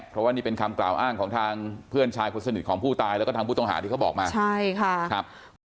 เพราะว่านี้เป็นคำกล่าวอ้างของทางเพื่อนชายสนิทของผู้ตายและผู้ต่องหาที่เขาบอกมา